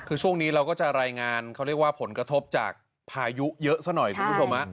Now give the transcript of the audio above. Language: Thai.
คือช่วงนี้เราก็จะรายงานเขาเรียกว่าผลกระทบจากพายุเยอะซะหน่อยคุณผู้ชม